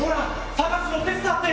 探すの手伝って！